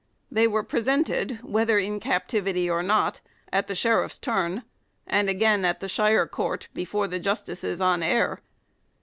2 They were presented, whether in captivity or not, at the sheriff's tourn, and again at the shire court before the justices on eyre.